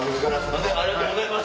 ありがとうございます。